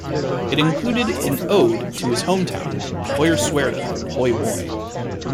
It included an ode to his hometown, Hoyerswerda, Hoy Woy.